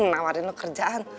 nawarin lo kerjaan